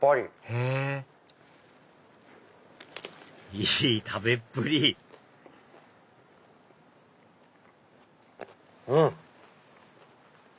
へぇいい食べっぷりうん！